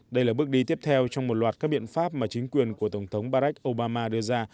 đây là bước đi tiếp theo trong một loạt các biện pháp mà chính quyền của tổng thống barack obama đưa ra